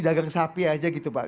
dagang sapi aja gitu pak